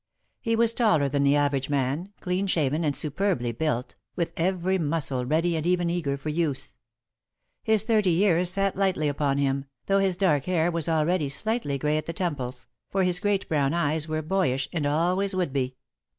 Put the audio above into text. He was taller than the average man, clean shaven, and superbly built, with every muscle ready and even eager for use. His thirty years sat lightly upon him, though his dark hair was already slightly grey at the temples, for his great brown eyes were boyish and always would be.